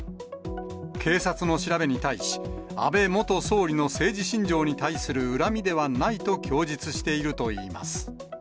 警察の調べに対し、安倍元総理の政治信条に対する恨みではないと供述しているといいます。